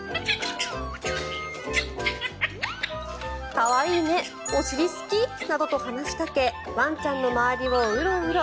可愛いねお尻好き？などと話しかけワンちゃんの周りをうろうろ。